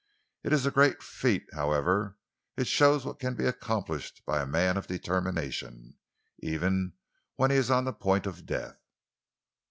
It is a great feat, however. It shows what can be accomplished by a man of determination, even when he is on the point of death."